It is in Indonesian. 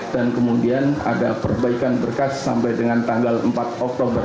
dan kemudian ada perbaikan berkas sampai dengan tanggal empat oktober